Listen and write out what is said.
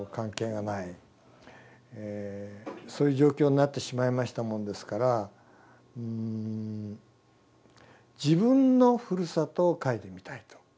そういう状況になってしまいましたもんですから自分のふるさとを書いてみたいと。